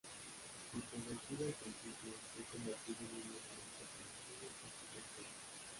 Controvertido al principio, se ha convertido en un monumento parisino arquitectónico.